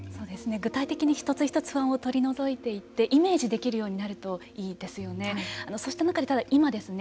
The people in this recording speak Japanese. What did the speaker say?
具体的に一つ一つ不安を取り除いていってイメージできるようになるといいですよね。